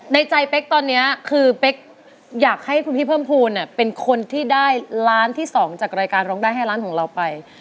ในใจเป๊กตอนนี้คือเป๊กอยากให้คุณพี่เพิ่มภูมิเป็นคนที่ได้ล้านที่๒จากรายการร้องได้ให้ร้านของเราไป